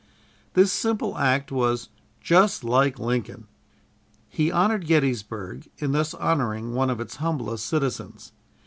This simple act was "just like Lincoln!" He honored Gettysburg in thus honoring one of its humblest citizens.